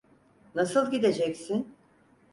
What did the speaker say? Nasıl gideceksin?